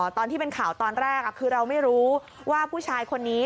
ตอนที่เป็นข่าวตอนแรกคือเราไม่รู้ว่าผู้ชายคนนี้